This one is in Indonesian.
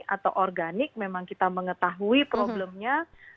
atau organik memang kita mengetahui problemnya